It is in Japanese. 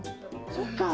そっか。